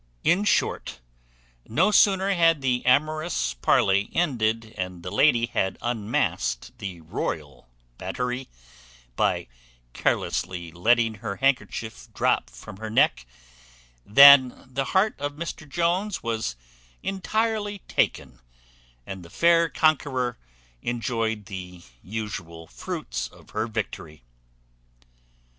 In short, no sooner had the amorous parley ended and the lady had unmasked the royal battery, by carelessly letting her handkerchief drop from her neck, than the heart of Mr Jones was entirely taken, and the fair conqueror enjoyed the usual fruits of her victory."